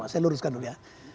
saya luruskan dulu ya